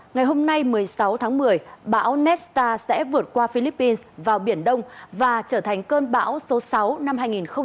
ngày một mươi sáu tháng một mươi bão nesta sẽ vượt qua philippines vào biển đông và trở thành cơn bão số sáu năm hai nghìn hai mươi hai